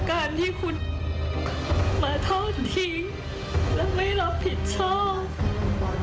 การที่คุณมาทอดทิ้งและไม่รับผิดชอบ